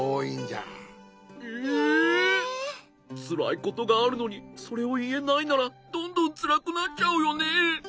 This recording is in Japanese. つらいことがあるのにそれをいえないならどんどんつらくなっちゃうよね。